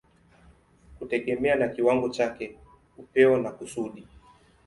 kutegemea na kiwango chake, upeo na kusudi.